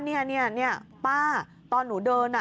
เนี่ยเนี่ยป้าตอนหนูเดินอะ